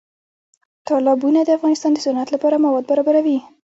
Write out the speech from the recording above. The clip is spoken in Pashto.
تالابونه د افغانستان د صنعت لپاره مواد برابروي.